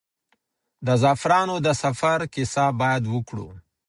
د زعفرانو د سفر کیسه باید وکړو.